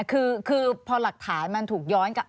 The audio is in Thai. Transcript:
คือพอหลักฐานมันถูกย้อนกลับ